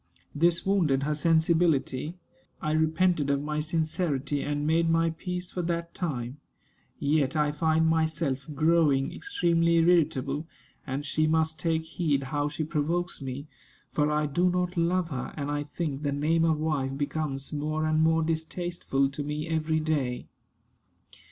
This wounded her sensibility. I repented of my sincerity, and made my peace for that time. Yet I find myself growing extremely irritable, and she must take heed how she provokes me; for I do not love her, and I think the name of wife becomes more and more distasteful to me every day.